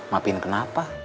maafin mamang ya